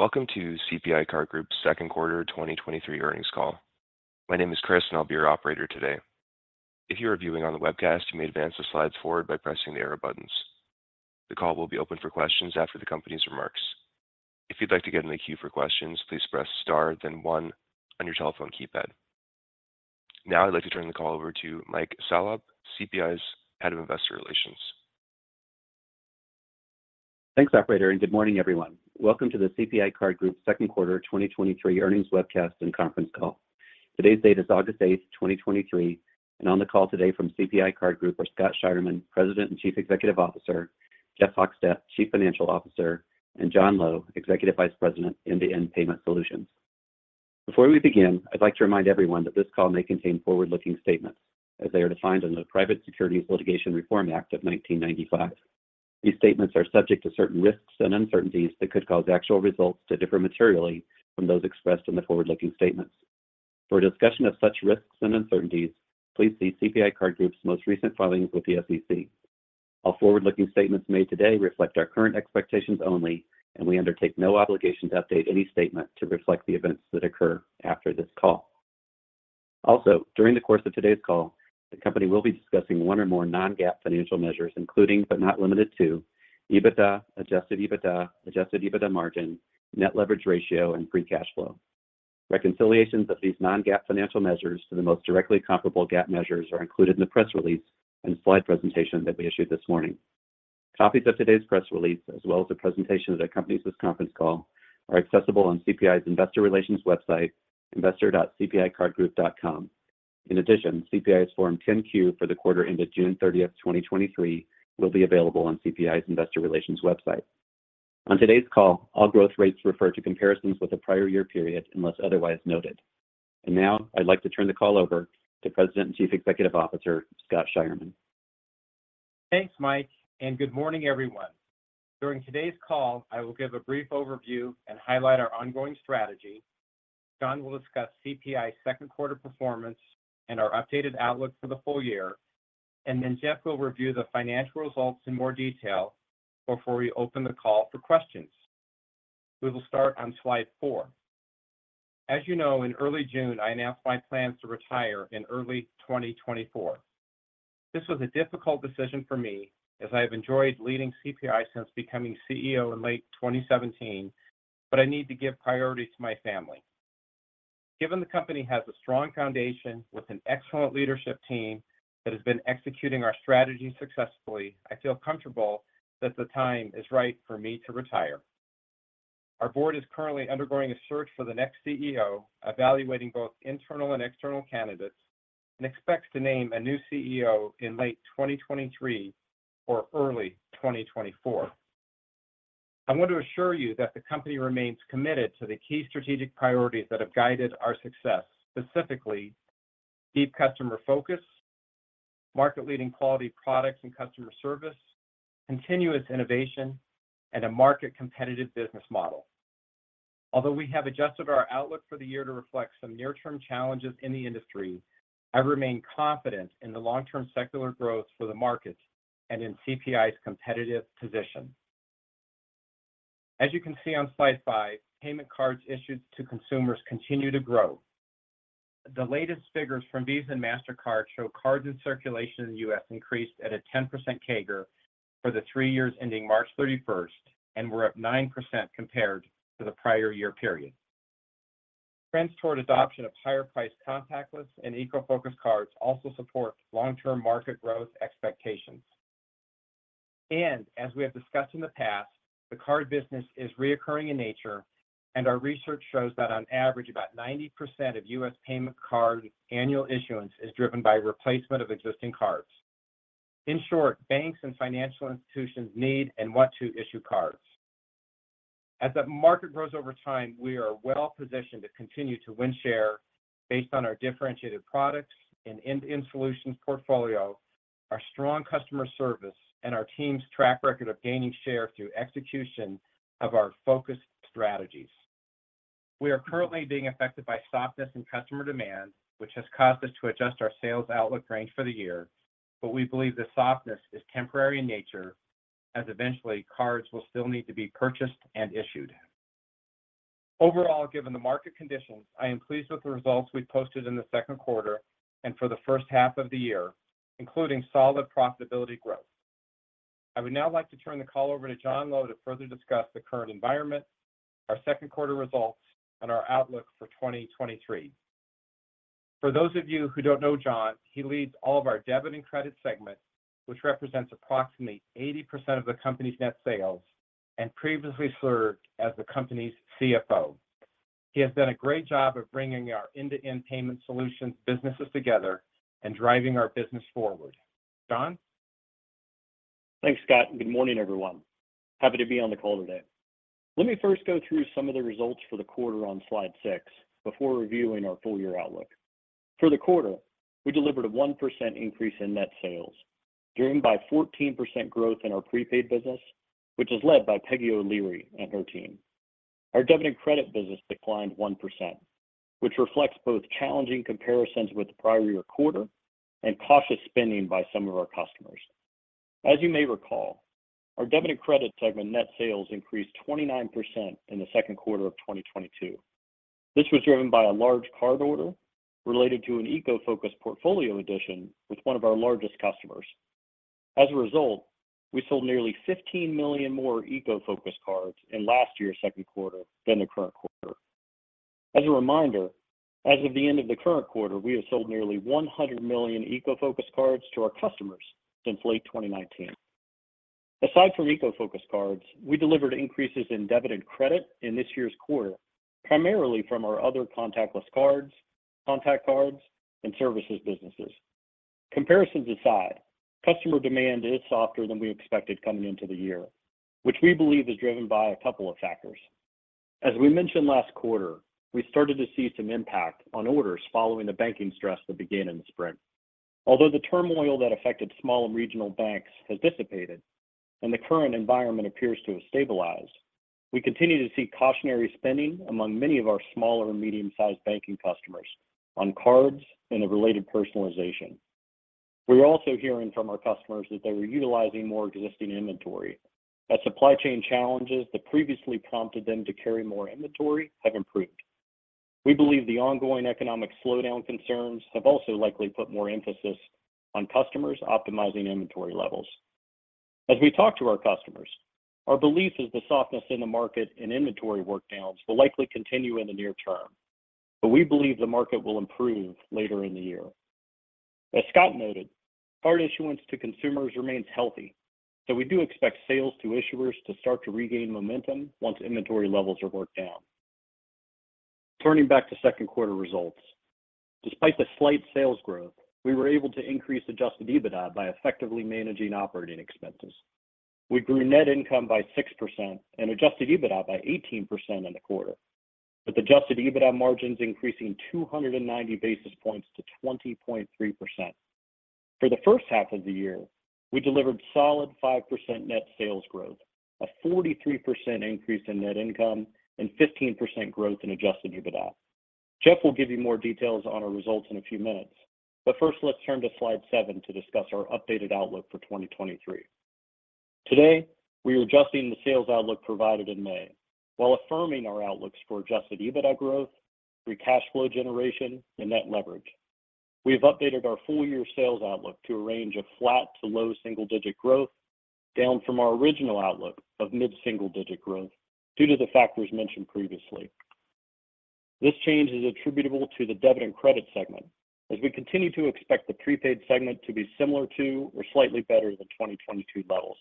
Welcome to CPI Card Group's second quarter 2023 earnings call. My name is Chris, and I'll be your operator today. If you are viewing on the webcast, you may advance the slides forward by pressing the arrow buttons. The call will be open for questions after the company's remarks. If you'd like to get in the queue for questions, please press Star then one on your telephone keypad. Now, I'd like to turn the call over to Mike Salop, CPI's Head of Investor Relations. Thanks, operator, and good morning, everyone. Welcome to the CPI Card Group second quarter 2023 earnings webcast and conference call. Today's date is August 8, 2023, and on the call today from CPI Card Group are Scott Scheirman, President and Chief Executive Officer, Jeff Hochstadt, Chief Financial Officer, and John Lowe, Executive Vice President, End-to-End Payment Solutions. Before we begin, I'd like to remind everyone that this call may contain forward-looking statements as they are defined in the Private Securities Litigation Reform Act of 1995. These statements are subject to certain risks and uncertainties that could cause actual results to differ materially from those expressed in the forward-looking statements. For a discussion of such risks and uncertainties, please see CPI Card Group's most recent filings with the SEC. All forward-looking statements made today reflect our current expectations only, and we undertake no obligation to update any statement to reflect the events that occur after this call. During the course of today's call, the company will be discussing one or more non-GAAP financial measures, including but not limited to, EBITDA, adjusted EBITDA, adjusted EBITDA margin, Net Leverage Ratio, and free cash flow. Reconciliations of these non-GAAP financial measures to the most directly comparable GAAP measures are included in the press release and slide presentation that we issued this morning. Copies of today's press release, as well as a presentation that accompanies this conference call, are accessible on CPI's investor relations website, investor.cpicardgroup.com. In addition, CPI's Form 10-Q for the quarter ended June 30th, 2023, will be available on CPI's investor relations website. On today's call, all growth rates refer to comparisons with the prior year period, unless otherwise noted. Now I'd like to turn the call over to President and Chief Executive Officer, Scott Scheirman. Thanks, Mike. Good morning, everyone. During today's call, I will give a brief overview and highlight our ongoing strategy. John will discuss CPI's second quarter performance and our updated outlook for the full year. Jeff will review the financial results in more detail before we open the call for questions. We will start on slide 4. As you know, in early June, I announced my plans to retire in early 2024. This was a difficult decision for me as I have enjoyed leading CPI since becoming CEO in late 2017. I need to give priority to my family. Given the company has a strong foundation with an excellent leadership team that has been executing our strategy successfully, I feel comfortable that the time is right for me to retire. Our board is currently undergoing a search for the next CEO, evaluating both internal and external candidates, and expects to name a new CEO in late 2023 or early 2024. I want to assure you that the company remains committed to the key strategic priorities that have guided our success, specifically, deep customer focus, market-leading quality products and customer service, continuous innovation, and a market competitive business model. Although we have adjusted our outlook for the year to reflect some near-term challenges in the industry, I remain confident in the long-term secular growth for the market and in CPI's competitive position. As you can see on slide 5, payment cards issued to consumers continue to grow. The latest figures from Visa and Mastercard show cards in circulation in the US increased at a 10% CAGR for the 3 years ending March 31st and were up 9% compared to the prior year period. Trends toward adoption of higher priced contactless and eco-focused cards also support long-term market growth expectations. As we have discussed in the past, the card business is reoccurring in nature, and our research shows that on average, about 90% of US payment card annual issuance is driven by replacement of existing cards. In short, banks and financial institutions need and want to issue cards. As the market grows over time, we are well positioned to continue to win share based on our differentiated products and End-to-End Payment Solutions portfolio, our strong customer service, and our team's track record of gaining share through execution of our focused strategies. We are currently being affected by softness in customer demand, which has caused us to adjust our sales outlook range for the year. We believe the softness is temporary in nature, as eventually cards will still need to be purchased and issued. Overall, given the market conditions, I am pleased with the results we posted in the second quarter and for the first half of the year, including solid profitability growth. I would now like to turn the call over to John Lowe to further discuss the current environment, our second quarter results, and our outlook for 2023. For those of you who don't know John, he leads all of our debit and credit segments, which represents approximately 80% of the company's net sales, and previously served as the company's CFO. He has done a great job of bringing our End-to-End Payment Solutions businesses together and driving our business forward. John? Thanks, Scott, good morning, everyone. Happy to be on the call today. Let me first go through some of the results for the quarter on slide six before reviewing our full year outlook. For the quarter, we delivered a 1% increase in net sales, driven by 14% growth in our prepaid business, which is led by Peggy O'Leary and her team. Our debit and credit business declined 1%, which reflects both challenging comparisons with the prior year quarter and cautious spending by some of our customers. As you may recall, our debit and credit segment net sales increased 29% in the second quarter of 2022. This was driven by a large card order related to an eco-focused portfolio addition with one of our largest customers. As a result, we sold nearly 15 million more eco-focused cards in last year's second quarter than the current quarter. As a reminder, as of the end of the current quarter, we have sold nearly 100 million eco-focused cards to our customers since late 2019. Aside from eco-focused cards, we delivered increases in debit and credit in this year's quarter, primarily from our other contactless cards, contact cards, and services businesses. Comparisons aside, customer demand is softer than we expected coming into the year, which we believe is driven by a couple of factors. As we mentioned last quarter, we started to see some impact on orders following the banking stress that began in the spring. Although the turmoil that affected small and regional banks has dissipated and the current environment appears to have stabilized, we continue to see cautionary spending among many of our smaller and medium-sized banking customers on cards and the related personalization. We are also hearing from our customers that they were utilizing more existing inventory, as supply chain challenges that previously prompted them to carry more inventory have improved. We believe the ongoing economic slowdown concerns have also likely put more emphasis on customers optimizing inventory levels. As we talk to our customers, our belief is the softness in the market and inventory work downs will likely continue in the near term, but we believe the market will improve later in the year. As Scott noted, card issuance to consumers remains healthy, so we do expect sales to issuers to start to regain momentum once inventory levels are worked down. Turning back to second quarter results, despite the slight sales growth, we were able to increase adjusted EBITDA by effectively managing operating expenses. We grew net income by 6% and Adjusted EBITDA by 18% in the quarter, with Adjusted EBITDA margins increasing 290 basis points to 20.3%. For the first half of the year, we delivered solid 5% net sales growth, a 43% increase in net income, and 15% growth in Adjusted EBITDA. Jeff will give you more details on our results in a few minutes. First, let's turn to slide 7 to discuss our updated outlook for 2023. Today, we are adjusting the sales outlook provided in May, while affirming our outlooks for Adjusted EBITDA growth, free cash flow generation, and Net Leverage. We've updated our full-year sales outlook to a range of flat to low single-digit growth, down from our original outlook of mid-single digit growth due to the factors mentioned previously. This change is attributable to the debit and credit segment, as we continue to expect the prepaid segment to be similar to or slightly better than 2022 levels.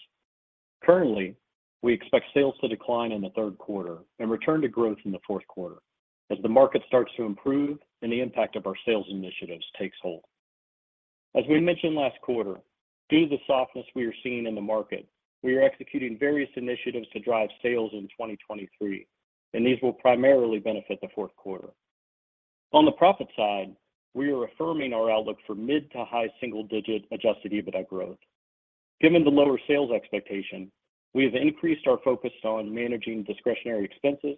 Currently, we expect sales to decline in the third quarter and return to growth in the fourth quarter as the market starts to improve and the impact of our sales initiatives takes hold. As we mentioned last quarter, due to the softness we are seeing in the market, we are executing various initiatives to drive sales in 2023, and these will primarily benefit the fourth quarter. On the profit side, we are affirming our outlook for mid to high single-digit adjusted EBITDA growth. Given the lower sales expectation, we have increased our focus on managing discretionary expenses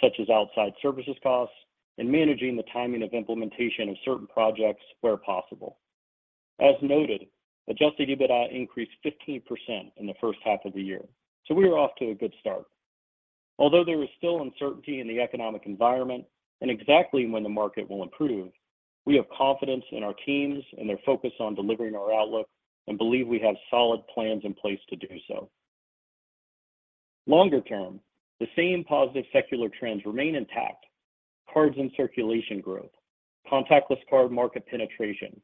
such as outside services costs and managing the timing of implementation of certain projects where possible. As noted, Adjusted EBITDA increased 15% in the first half of the year. We are off to a good start. Although there is still uncertainty in the economic environment and exactly when the market will improve, we have confidence in our teams and their focus on delivering our outlook and believe we have solid plans in place to do so. Longer term, the same positive secular trends remain intact: cards in circulation growth, contactless card market penetration,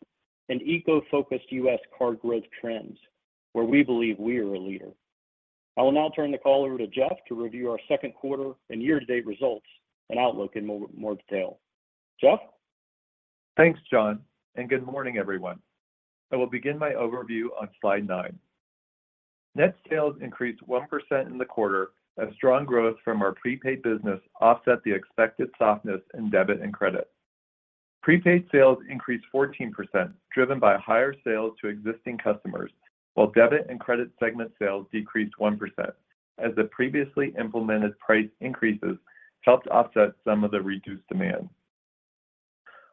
and eco-focused US card growth trends, where we believe we are a leader. I will now turn the call over to Jeff to review our second quarter and year-to-date results and outlook in more detail. Jeff? Thanks, John. Good morning, everyone. I will begin my overview on slide 9. Net sales increased 1% in the quarter as strong growth from our prepaid business offset the expected softness in debit and credit. Prepaid sales increased 14%, driven by higher sales to existing customers, while debit and credit segment sales decreased 1%, as the previously implemented price increases helped offset some of the reduced demand.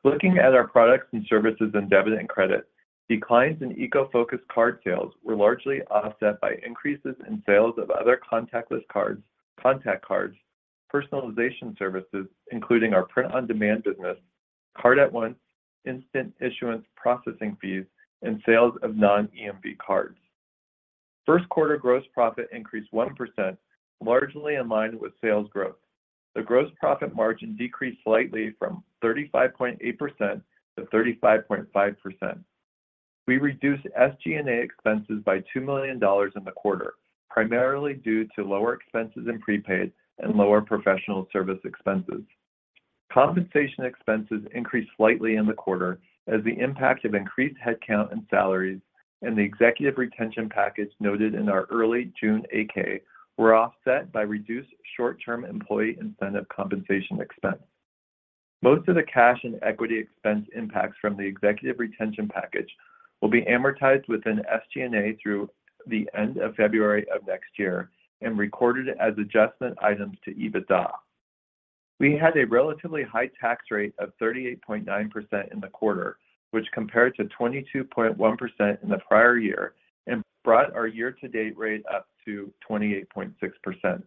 Looking at our products and services and debit and credit, declines in eco-focused card sales were largely offset by increases in sales of other contactless cards, contact cards, personalization services, including our print-on-demand business, Card@Once, instant issuance, processing fees, and sales of non-EMV cards. First quarter gross profit increased 1%, largely in line with sales growth. The gross profit margin decreased slightly from 35.8% to 35.5%. We reduced SG&A expenses by $2 million in the quarter, primarily due to lower expenses in prepaid and lower professional service expenses. Compensation expenses increased slightly in the quarter as the impact of increased headcount and salaries and the executive retention package noted in our early June 8-K were offset by reduced short-term employee incentive compensation expense. Most of the cash and equity expense impacts from the executive retention package will be amortized within SG&A through the end of February of next year and recorded as adjustment items to EBITDA. We had a relatively high tax rate of 38.9% in the quarter, which compared to 22.1% in the prior year and brought our year-to-date rate up to 28.6%.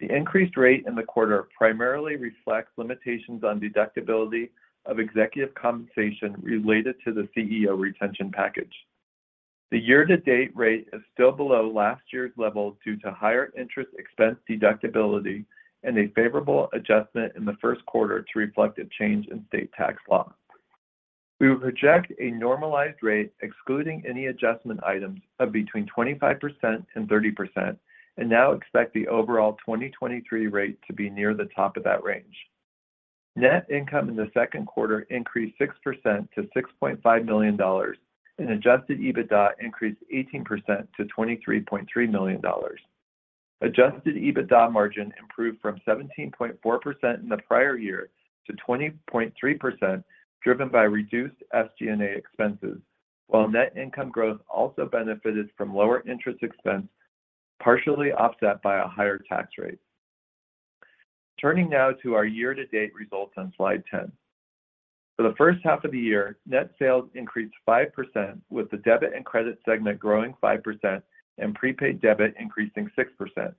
The increased rate in the quarter primarily reflects limitations on deductibility of executive compensation related to the CEO retention package. The year-to-date rate is still below last year's level due to higher interest expense deductibility and a favorable adjustment in the first quarter to reflect a change in state tax law. We project a normalized rate, excluding any adjustment items, of between 25% and 30%. Now expect the overall 2023 rate to be near the top of that range. Net income in the second quarter increased 6% to $6.5 million. Adjusted EBITDA increased 18% to $23.3 million. Adjusted EBITDA margin improved from 17.4% in the prior year to 20.3%, driven by reduced SG&A expenses, while net income growth also benefited from lower interest expense, partially offset by a higher tax rate. Turning now to our year-to-date results on slide 10. For the first half of the year, net sales increased 5%, with the debit and credit segment growing 5% and prepaid debit increasing 6%.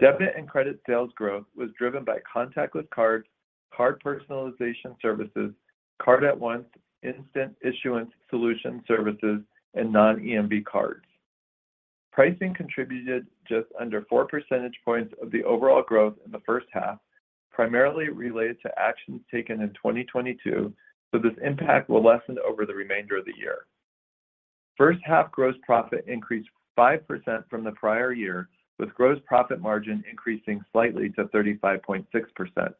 Debit and credit sales growth was driven by contactless cards, card personalization services, Card@Once, instant issuance solution services, and non-EMV cards. Pricing contributed just under 4 percentage points of the overall growth in the first half, primarily related to actions taken in 2022, so this impact will lessen over the remainder of the year. First half gross profit increased 5% from the prior year, with gross profit margin increasing slightly to 35.6%.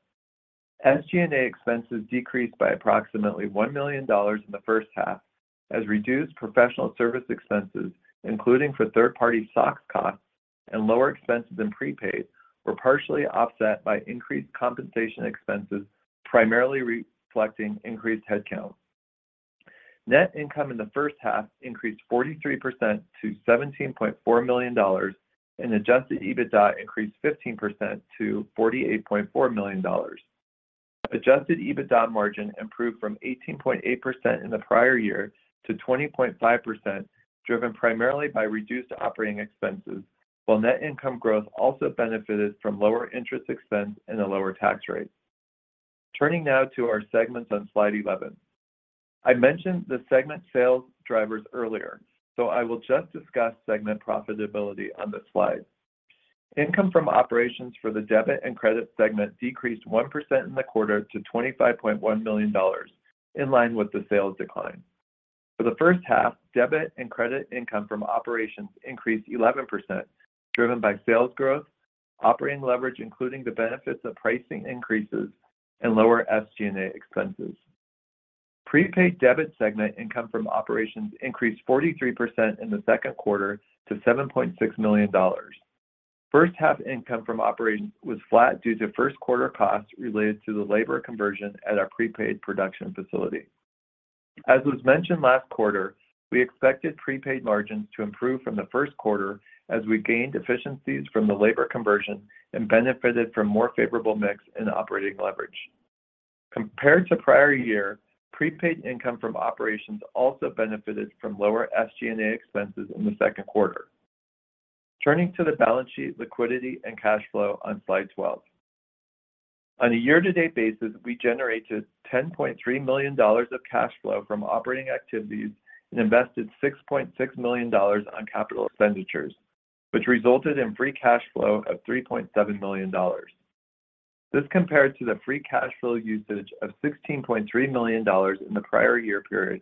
SG&A expenses decreased by approximately $1 million in the first half, as reduced professional service expenses, including for third-party SOX costs and lower expenses in prepaid, were partially offset by increased compensation expenses, primarily reflecting increased headcount. Net income in the first half increased 43% to $17.4 million, and Adjusted EBITDA increased 15% to $48.4 million. Adjusted EBITDA margin improved from 18.8% in the prior year to 20.5%, driven primarily by reduced operating expenses, while net income growth also benefited from lower interest expense and a lower tax rate. Turning now to our segments on slide 11. I mentioned the segment sales drivers earlier, I will just discuss segment profitability on this slide. Income from operations for the debit and credit segment decreased 1% in the quarter to $25.1 million, in line with the sales decline. For the first half, debit and credit income from operations increased 11%, driven by sales growth, operating leverage, including the benefits of pricing increases and lower SG&A expenses. Prepaid debit segment income from operations increased 43% in the second quarter to $7.6 million. First half income from operations was flat due to first quarter costs related to the labor conversion at our prepaid production facility. As was mentioned last quarter, we expected prepaid margins to improve from the first quarter as we gained efficiencies from the labor conversion and benefited from more favorable mix and operating leverage. Compared to prior year, prepaid income from operations also benefited from lower SG&A expenses in the second quarter. Turning to the balance sheet, liquidity, and cash flow on slide 12. On a year-to-date basis, we generated $10.3 million of cash flow from operating activities and invested $6.6 million on capital expenditures, which resulted in free cash flow of $3.7 million. This compared to the free cash flow usage of $16.3 million in the prior year period,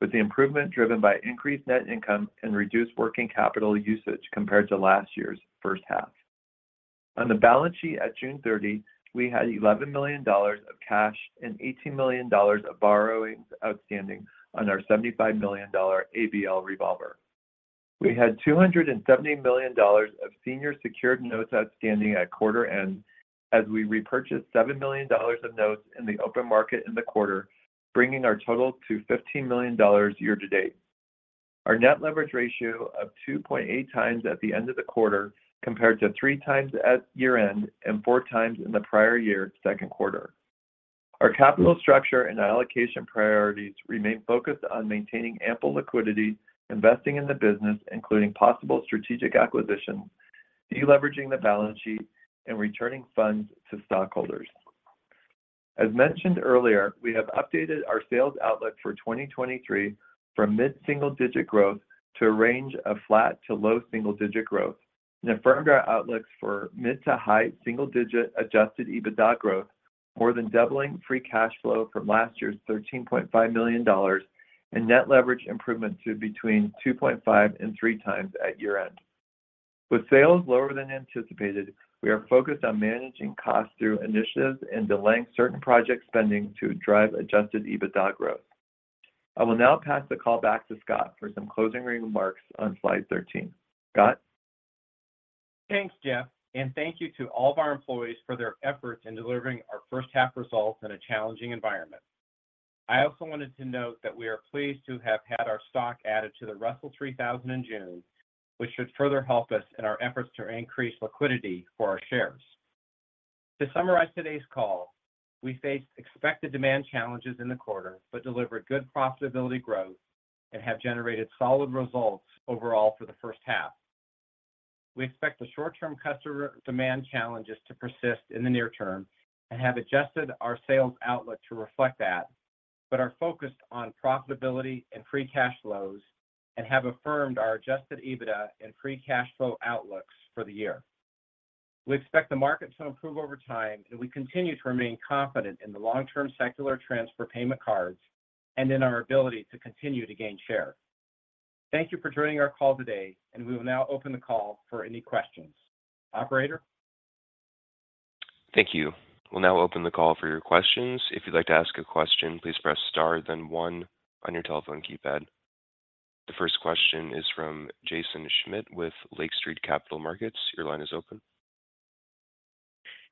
with the improvement driven by increased net income and reduced working capital usage compared to last year's first half. On the balance sheet at June 30, we had $11 million of cash and $18 million of borrowings outstanding on our $75 million ABL revolver. We had $270 million of senior secured notes outstanding at quarter end, as we repurchased $7 million of notes in the open market in the quarter, bringing our total to $15 million year to date. Our Net Leverage Ratio of 2.8x at the end of the quarter, compared to 3x at year-end and 4x in the prior year second quarter. Our capital structure and allocation priorities remain focused on maintaining ample liquidity, investing in the business, including possible strategic acquisitions, deleveraging the balance sheet, and returning funds to stockholders. As mentioned earlier, we have updated our sales outlook for 2023 from mid-single-digit growth to a range of flat to low single-digit growth, and affirmed our outlooks for mid to high single-digit Adjusted EBITDA growth, more than doubling free cash flow from last year's $13.5 million, and net leverage improvement to between 2.5 and 3 times at year-end. With sales lower than anticipated, we are focused on managing costs through initiatives and delaying certain project spending to drive Adjusted EBITDA growth. I will now pass the call back to Scott for some closing remarks on slide 13. Scott? Thanks, Jeff, and thank you to all of our employees for their efforts in delivering our first half results in a challenging environment.... I also wanted to note that we are pleased to have had our stock added to the Russell 3000 in June, which should further help us in our efforts to increase liquidity for our shares. To summarize today's call, we faced expected demand challenges in the quarter but delivered good profitability growth and have generated solid results overall for the first half. We expect the short-term customer demand challenges to persist in the near term and have adjusted our sales outlook to reflect that, but are focused on profitability and free cash flows and have affirmed our adjusted EBITDA and free cash flow outlooks for the year. We expect the market to improve over time, we continue to remain confident in the long-term secular trends for payment cards and in our ability to continue to gain share. Thank you for joining our call today, we will now open the call for any questions. Operator? Thank you. We'll now open the call for your questions. If you'd like to ask a question, please press star, then one on your telephone keypad. The first question is from Jason Schmidt with Lake Street Capital Markets. Your line is open.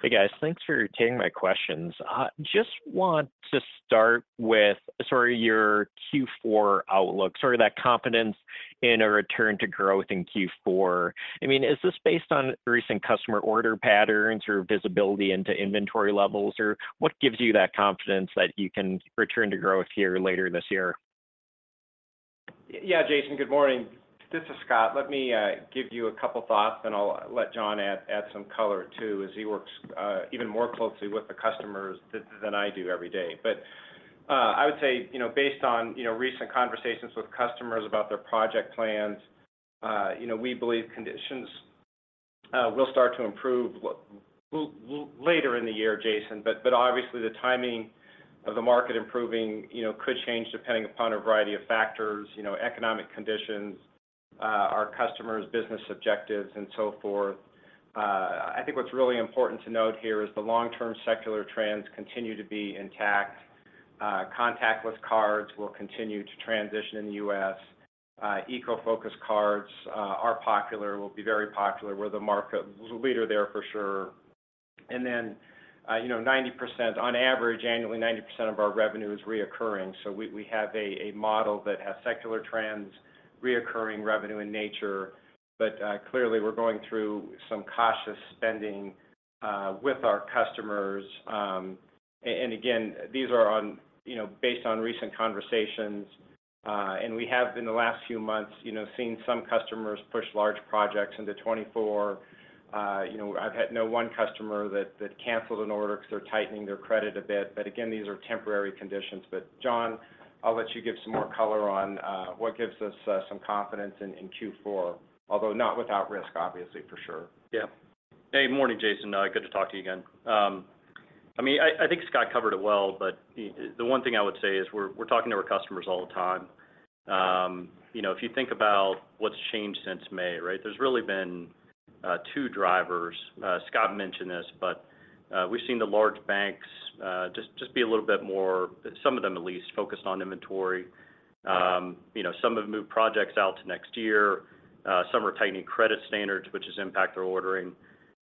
Hey, guys. Thanks for taking my questions. Just want to start with sort of your Q4 outlook, sort of that confidence in a return to growth in Q4. I mean, is this based on recent customer order patterns or visibility into inventory levels, or what gives you that confidence that you can return to growth here later this year? Yeah, Jason, good morning. This is Scott. Let me give you a couple thoughts, then I'll let John add some color, too, as he works even more closely with the customers than I do every day. I would say, you know, based on, you know, recent conversations with customers about their project plans, you know, we believe conditions will start to improve later in the year, Jason. Obviously, the timing of the market improving, you know, could change depending upon a variety of factors, you know, economic conditions, our customers' business objectives, and so forth. I think what's really important to note here is the long-term secular trends continue to be intact. Contactless cards will continue to transition in the US. Eco-focused cards are popular, will be very popular. We're the market leader there for sure. You know, 90% on average, annually, 90% of our revenue is reoccurring, so we, we have a, a model that has secular trends, reoccurring revenue in nature. Clearly, we're going through some cautious spending with our customers. And again, these are on, you know, based on recent conversations, and we have, in the last few months, you know, seen some customers push large projects into 2024. You know, I've had know one customer that, that canceled an order because they're tightening their credit a bit, but again, these are temporary conditions. John, I'll let you give some more color on what gives us some confidence in Q4, although not without risk, obviously, for sure. Yeah. Hey, morning, Jason. Good to talk to you again. I mean, I, I think Scott covered it well, but the, the one thing I would say is we're, we're talking to our customers all the time. You know, if you think about what's changed since May, right, there's really been 2 drivers. Scott mentioned this, but we've seen the large banks just, just be a little bit more, some of them at least, focused on inventory. You know, some have moved projects out to next year. Some are tightening credit standards, which has impacted their ordering.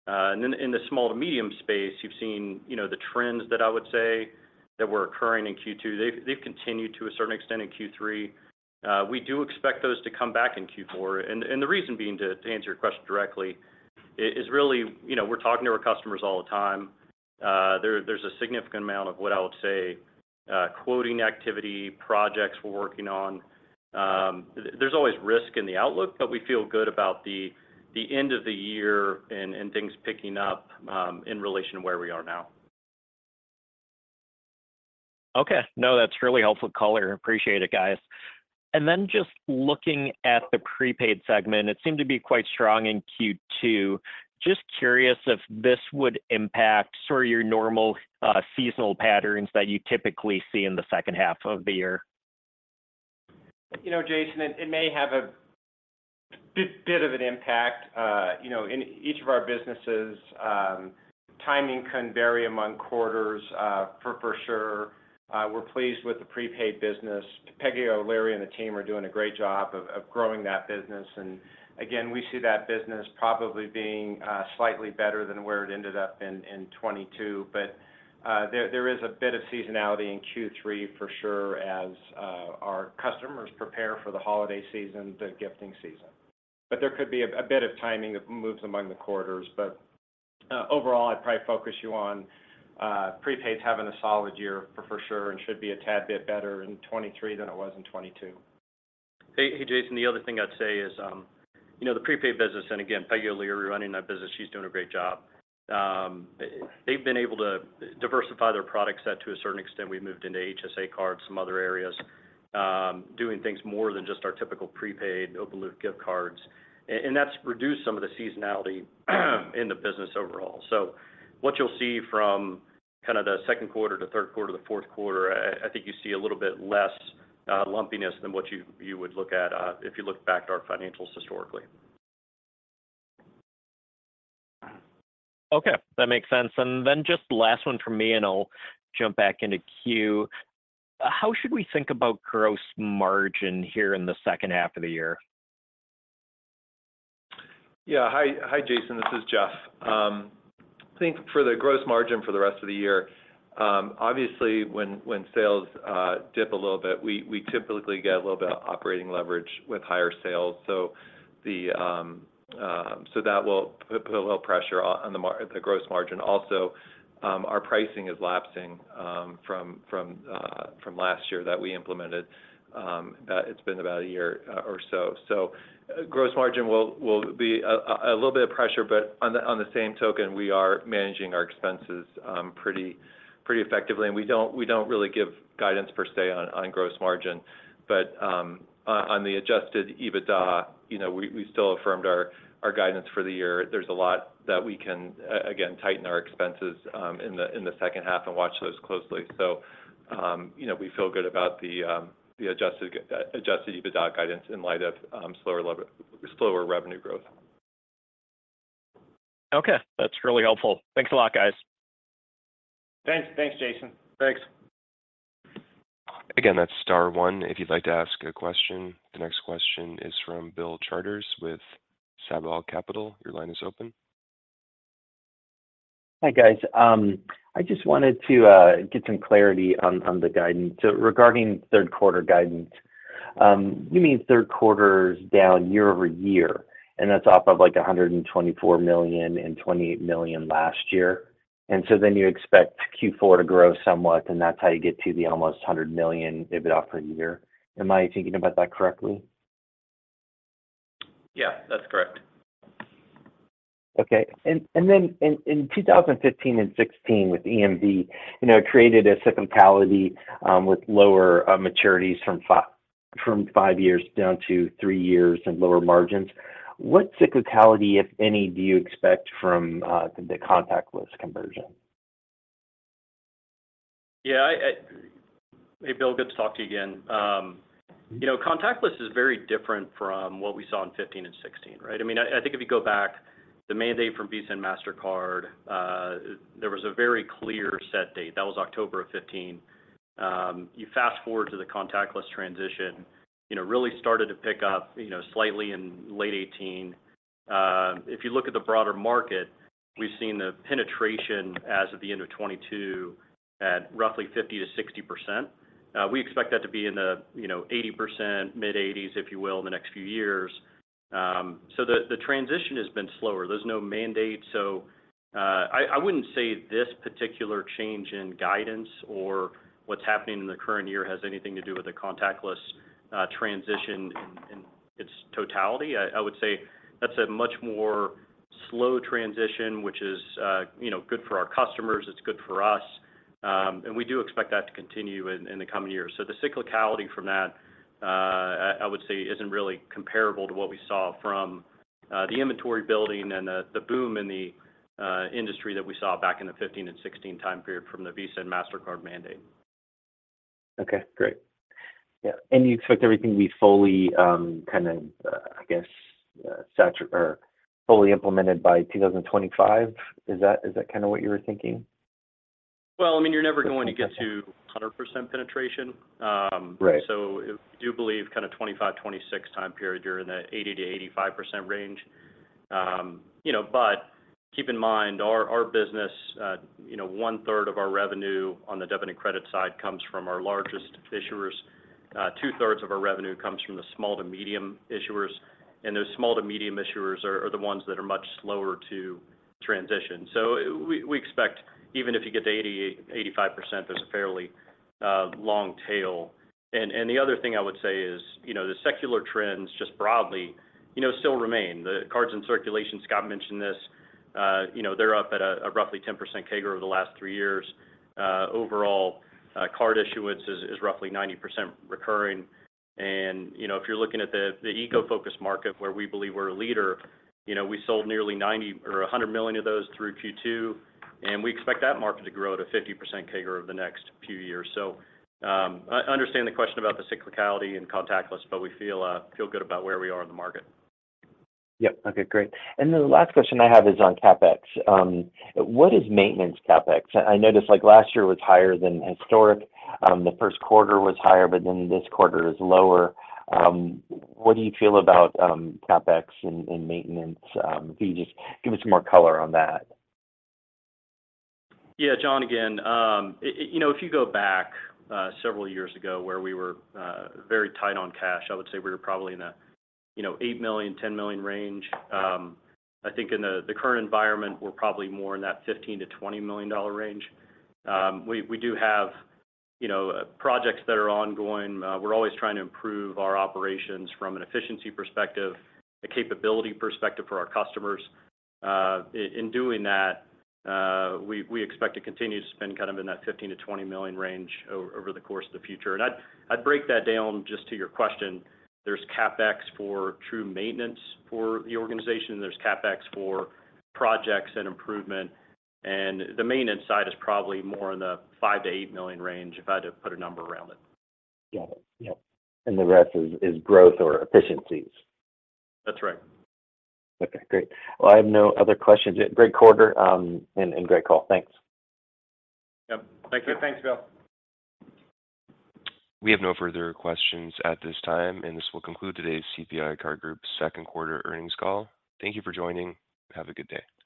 And then in the small to medium space, you've seen, you know, the trends that I would say that were occurring in Q2, they've, they've continued to a certain extent in Q3. We do expect those to come back in Q4. The reason being, to, to answer your question directly, is really, you know, we're talking to our customers all the time. There, there's a significant amount of what I would say, quoting activity, projects we're working on. There's always risk in the outlook, but we feel good about the, the end of the year and, and things picking up in relation to where we are now. Okay. No, that's really helpful color. Appreciate it, guys. Then just looking at the prepaid segment, it seemed to be quite strong in Q2. Just curious if this would impact sort of your normal seasonal patterns that you typically see in the second half of the year? You know, Jason, it, it may have a bit of an impact. You know, in each of our businesses, timing can vary among quarters, for for sure. We're pleased with the prepaid business. Peggy O'Leary and the team are doing a great job of growing that business. Again, we see that business probably being slightly better than where it ended up in 2022. There, there is a bit of seasonality in Q3 for sure, as our customers prepare for the holiday season, the gifting season. There could be a bit of timing that moves among the quarters. Overall, I'd probably focus you on prepaid having a solid year for sure and should be a tad bit better in 2023 than it was in 2022. Hey, hey, Jason, the other thing I'd say is, you know, the prepaid business, and again, Peggy O'Leary running that business, she's doing a great job. They've been able to diversify their product set to a certain extent. We've moved into HSA cards, some other areas, doing things more than just our typical prepaid open loop gift cards. That's reduced some of the seasonality, in the business overall. So what you'll see from kind of the second quarter to third quarter to the fourth quarter, I, I think you see a little bit less lumpiness than what you, you would look at, if you looked back to our financials historically. Okay, that makes sense. Then just last one from me, and I'll jump back into queue. How should we think about gross margin here in the second half of the year? Yeah. Hi, Jason, this is Jeff. I think for the gross margin for the rest of the year, obviously, when sales dip a little bit, we typically get a little bit of operating leverage with higher sales. That will put a little pressure on the gross margin. Also, our pricing is lapsing from last year that we implemented. It's been about a year or so. Gross margin will be a little bit of pressure, but on the same token, we are managing our expenses pretty effectively. We don't really give guidance per se on gross margin. On, on, on the adjusted EBITDA, you know, we, we still affirmed our, our guidance for the year. There's a lot that we can again, tighten our expenses in the, in the second half and watch those closely. You know, we feel good about the the adjusted adjusted EBITDA guidance in light of slower slower revenue growth. Okay. That's really helpful. Thanks a lot, guys. Thanks. Thanks, Jason. Thanks. Again, that's star one if you'd like to ask a question. The next question is from Bill Charters with Sabal Capital. Your line is open. Hi, guys. I just wanted to get some clarity on, on the guidance. Regarding third quarter guidance, you mean third quarter is down year-over-year, and that's off of, like, $124 million and $28 million last year? Then you expect Q4 to grow somewhat, and that's how you get to the almost $100 million EBITDA for the year. Am I thinking about that correctly? Yeah, that's correct. Okay. And then in 2015 and 2016 with EMV, you know, it created a cyclicality with lower maturities from 5 years down to 3 years and lower margins. What cyclicality, if any, do you expect from the contactless conversion? Yeah, I, I. Hey, Bill, good to talk to you again. you know, contactless is very different from what we saw in 15 and 16, right? I mean, I, I think if you go back, the mandate from Visa and Mastercard, there was a very clear set date. That was October of 15. you fast-forward to the contactless transition, you know, really started to pick up, you know, slightly in late 18. if you look at the broader market, we've seen the penetration as of the end of 2022 at roughly 50%-60%. we expect that to be in the, you know, 80%, mid-80s, if you will, in the next few years. The, the transition has been slower. There's no mandate, so, I, I wouldn't say this particular change in guidance or what's happening in the current year has anything to do with the contactless transition in its totality. I, I would say that's a much more slow transition, which is, you know, good for our customers, it's good for us, and we do expect that to continue in the coming years. The cyclicality from that, I, I would say, isn't really comparable to what we saw from the inventory building and the boom in the industry that we saw back in the 2015 and 2016 time period from the Visa and Mastercard mandate. Okay, great. Yeah, you expect everything to be fully, kind of, I guess, satur- or fully implemented by 2025? Is that, is that kind of what you were thinking? Well, I mean, you're never going to get to 100% penetration. Right. We do believe kind of 25, 26 time period, you're in the 80%-85% range. You know, keep in mind, our, our business, you know, 1/3 of our revenue on the debit and credit side comes from our largest issuers. 2/3 of our revenue comes from the small to medium issuers, and those small to medium issuers are, are the ones that are much slower to transition. We, we expect, even if you get to 80%, 85%, there's a fairly long tail. The other thing I would say is, you know, the secular trends, just broadly, you know, still remain. The cards in circulation, Scott mentioned this, you know, they're up at a, a roughly 10% CAGR over the last 3 years. Overall, card issuance is, is roughly 90% recurring. You know, if you're looking at the, the eco-focused market, where we believe we're a leader, you know, we sold nearly $90 million or $100 million of those through Q2, and we expect that market to grow at a 50% CAGR over the next few years. I understand the question about the cyclicality and contactless, but we feel, feel good about where we are in the market. Yep. Okay, great. The last question I have is on CapEx. What is maintenance CapEx? I noticed, like, last year was higher than historic. The first quarter was higher, but then this quarter is lower. What do you feel about CapEx and maintenance? Can you just give me some more color on that? Yeah, John, again, you know, if you go back several years ago, where we were very tight on cash, I would say we were probably in a, you know, $8 million-$10 million range. I think in the current environment, we're probably more in that $15 million-$20 million range. We, we do have, you know, projects that are ongoing. We're always trying to improve our operations from an efficiency perspective, a capability perspective for our customers. In doing that, we, we expect to continue to spend kind of in that $15 million-$20 million range over the course of the future. I'd, I'd break that down just to your question. There's CapEx for true maintenance for the organization, there's CapEx for projects and improvement, and the maintenance side is probably more in the $5 million-$8 million range, if I had to put a number around it. Got it. Yep, the rest is, is growth or efficiencies? That's right. Okay, great. Well, I have no other questions. Great quarter, and, and great call. Thanks. Yep. Thank you. Thanks, Bill. We have no further questions at this time, and this will conclude today's CPI Card Group second quarter earnings call. Thank you for joining. Have a good day.